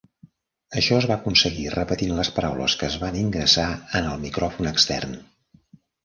Això es va aconseguir repetint les paraules que es van ingressar en el micròfon extern.